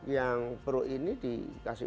yang perut ini dikasih